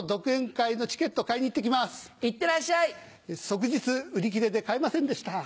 即日売り切れで買えませんでした。